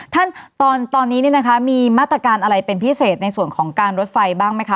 ท่านตอนนี้มีมาตรการอะไรเป็นพิเศษในส่วนของการรถไฟบ้างไหมคะ